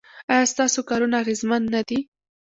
ایا ستاسو کارونه اغیزمن نه دي؟